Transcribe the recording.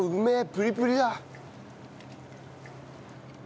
プリプリだ。